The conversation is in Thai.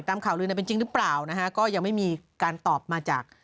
ข่าวลือเนี่ยเป็นจริงหรือเปล่านะฮะก็ยังไม่มีการตอบมาจาก